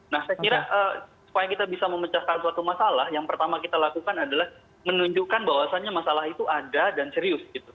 nah saya kira supaya kita bisa memecahkan suatu masalah yang pertama kita lakukan adalah menunjukkan bahwasannya masalah itu ada dan serius gitu